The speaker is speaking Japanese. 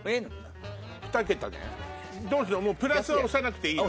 プラスは押さなくていいの？